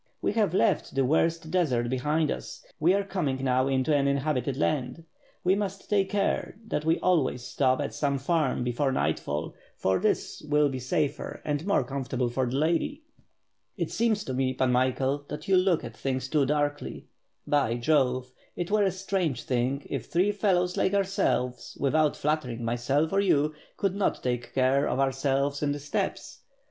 We have left the worst desert behind us, we are coming now into an inhabitated land. We must take care that we always stop at some farm before nightfall, for this will be safer and more comfortable for the lady. It seems to me Pan Michael, that you look at things too darkly. By Jove, it were a strange thing if three fellows like ourselves, without flattering myself or you, could not take care of ourselves in the steppes.